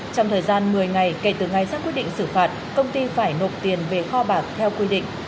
trong thời gian một mươi ngày kể từ ngày ra quyết định xử phạt công ty phải nộp tiền về kho bạc theo quy định